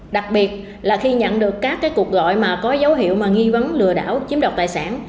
đặc biệt là khi nhận được các cuộc gọi mà có dấu hiệu nghi vấn lừa đảo chiếm đoạt tài sản